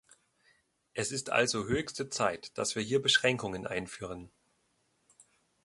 Es ist also höchste Zeit, dass wir hier Beschränkungen einführen.